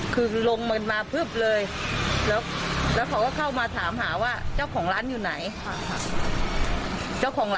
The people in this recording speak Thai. คุณผู้ชมครับ